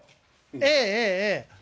ええ、ええ、ええ。